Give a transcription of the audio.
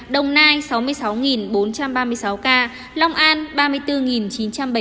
đồng nai sáu mươi sáu bốn trăm ba mươi sáu ca long an ba mươi bốn chín trăm bảy mươi bốn ca tiền giang một mươi sáu tám trăm linh bảy ca